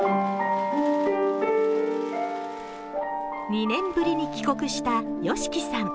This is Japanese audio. ２年ぶりに帰国したＹＯＳＨＩＫＩさん。